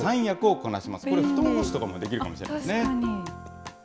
これ、布団干しとかもできるかもしれないですね。